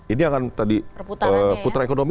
ini akan tadi putra ekonomi